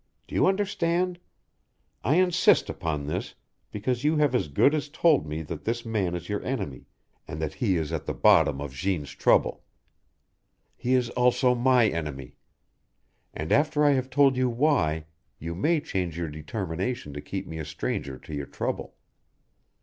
Do you understand? I insist upon this because you have as good as told me that this man is your enemy, and that he is at the bottom of Jeanne's trouble. He is also my enemy. And after I have told you why you may change your determination to keep me a stranger to your trouble.